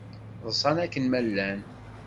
Ḍsan akken ma llan.